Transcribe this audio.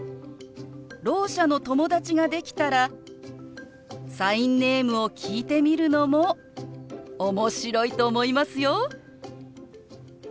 ろう者の友達ができたらサインネームを聞いてみるのも面白いと思いますよ。